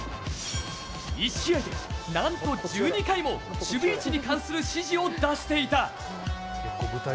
１試合でなんと１２回も守備位置に関する指示を出していた。